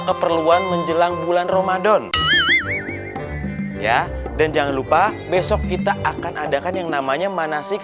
keperluan menjelang bulan ramadan ya dan jangan lupa besok kita akan adakan yang namanya manasik